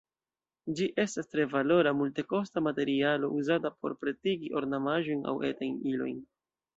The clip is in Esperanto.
Ĝi estas tre valora, multekosta materialo, uzata por pretigi ornamaĵojn aŭ etajn ilojn.